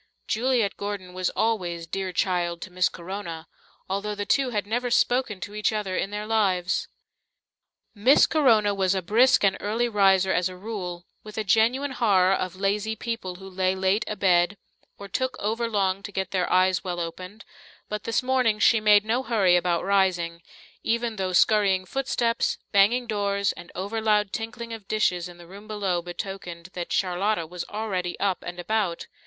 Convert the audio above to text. Juliet Gordon was always "dear child" to Miss Corona, although the two had never spoken to each other in their lives. Miss Corona was a brisk and early riser as a rule, with a genuine horror of lazy people who lay late abed or took over long to get their eyes well opened, but this morning she made no hurry about rising, even though scurrying footsteps, banging doors, and over loud tinkling of dishes in the room below betokened that Charlotta was already up and about.